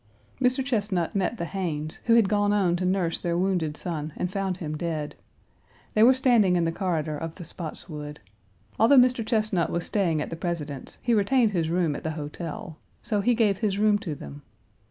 Mr. Chesnut met the Haynes, who had gone on to nurse their wounded son and found him dead. They were standing in the corridor of the Spotswood. Although Mr. Chesnut was staying at the President's, he retained his room at the hotel. So he gave his room to them.